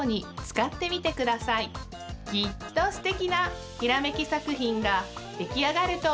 きっとすてきなひらめきさくひんができあがるとおもいます。